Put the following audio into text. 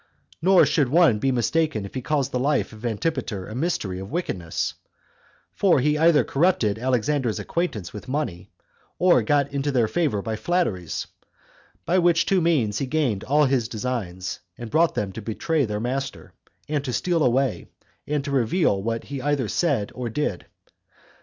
Nor should one be mistaken if he called the life of Antipater a mystery of wickedness; for he either corrupted Alexander's acquaintance with money, or got into their favor by flatteries; by which two means he gained all his designs, and brought them to betray their master, and to steal away, and reveal what he either did or said.